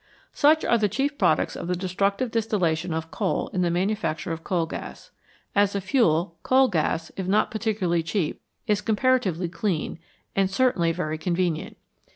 Such are the chief products of the destructive distilla tion of coal in the manufacture of coal gas. As a fuel, coal gas, if not particularly cheap, is comparatively clean, and certainly very convenient.